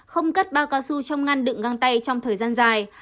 không cất bao cao su trong ngăn đựng găng tay trong thời gian dài